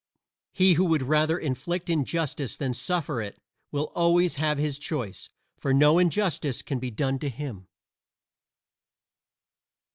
He who would rather inflict injustice than suffer it will always have his choice, for no injustice can be done to him.